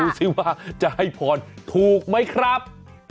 สิว่าจะให้พรถูกไหมครับ